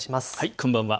こんばんは。